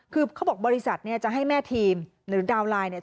คือเขาบอกบริษัทเนี่ยจะให้แม่ทีมหรือดาวน์ไลน์เนี่ย